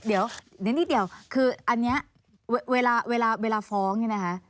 เดี๋ยวนี่อันนี้เวลาฟ้องนี่นะคะ